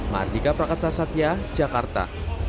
martika prakasasatya jakarta